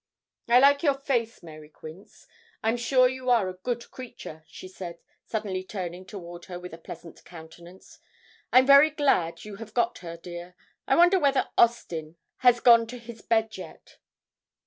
'I like your face, Mary Quince; I'm sure you are a good creature,' she said, suddenly turning toward her with a pleasant countenance. 'I'm very glad you have got her, dear. I wonder whether Austin has gone to his bed yet!'